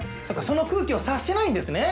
その空気を察しないんですね。